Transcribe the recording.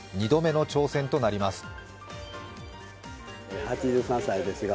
２度目の挑戦となります。